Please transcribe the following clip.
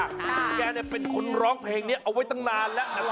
พี่แกเนี่ยเป็นคนร้องเพลงนี้เอาไว้ตั้งนานแล้ว